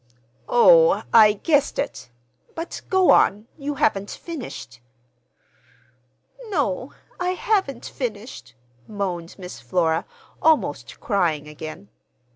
"Oh, I—guessed it. But go on. You haven't finished." "No, I haven't finished," moaned Miss Flora, almost crying again.